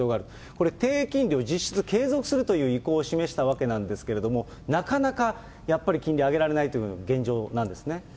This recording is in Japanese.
これ、低金利を実質継続するという意向を示したわけなんですけれども、なかなかやっぱり金利上げられないという部分、現状なんですね。